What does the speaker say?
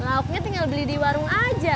lauknya tinggal beli di warung aja